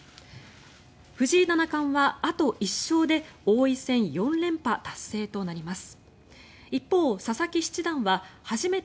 藤井七冠はあと１勝で王位戦４連覇達成となります。